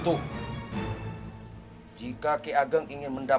namun sudah privat disaka kerja